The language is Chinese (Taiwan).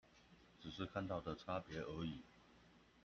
只是看到的差別而已？